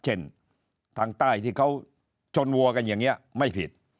เช่นทางใต้ที่เขาชนวัวกันอย่างนี้ไม่ผิด